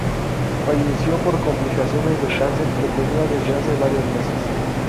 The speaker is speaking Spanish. Falleció por complicaciones del cáncer que tenía desde hace varios meses.